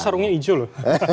tapi sarungnya hijau loh